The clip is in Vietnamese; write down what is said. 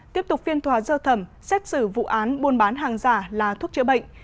tiếp tục phiên thòa dơ thẩm xét xử vụ án buôn bán hàng giả là thuốc chữa bệnh